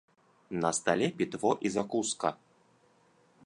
На стале пітво і закуска.